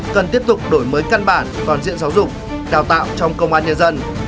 cần tiếp tục đổi mới căn bản toàn diện giáo dục đào tạo trong công an nhân dân